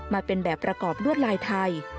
มาเป็นแบบประกอบลวดลายไทย